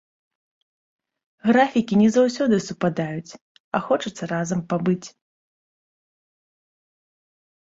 Графікі не заўсёды супадаюць, а хочацца разам пабыць.